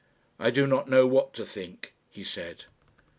"I do not know what to think," he said.